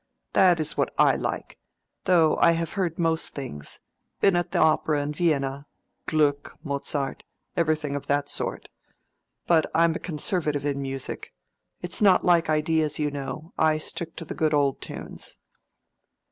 That is what I like; though I have heard most things—been at the opera in Vienna: Gluck, Mozart, everything of that sort. But I'm a conservative in music—it's not like ideas, you know. I stick to the good old tunes."